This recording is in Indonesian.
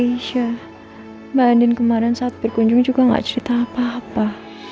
mbak andin kemarin saat berkunjung juga gak cerita apa apa